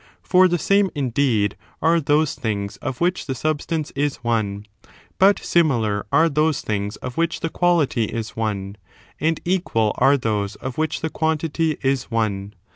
For the same, indeed, are those things of which the substance is one ; but similar are those things of which the quality is one ; and equal are those of which the quantity is one.